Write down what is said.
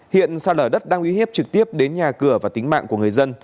hiện sạt lở đất đang uy hiếp trực tiếp đến nhà cửa và tính mạng của người dân